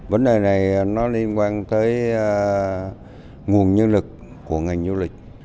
vấn đề này nó liên quan tới nguồn nhân lực của ngành du lịch